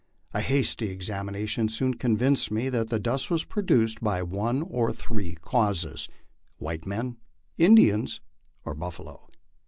A hasty exam ination soon convinced me that the dust was produced by one of three causes : white men, Indians, or buffalo.